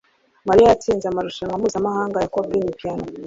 mariya yatsinze amarushanwa mpuzamahanga ya Chopin Piyano